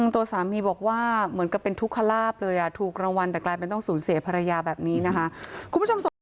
ตัวสามีบอกว่าเหมือนกับเป็นทุกขลาบเลยอ่ะถูกรางวัลแต่กลายเป็นต้องสูญเสพรรยาแบบนี้นะฮะ